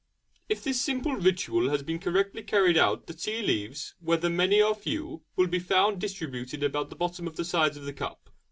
If this simple ritual has been correctly carried out the tea leaves, whether many or few, will be found distributed about the bottom and sides of the cup.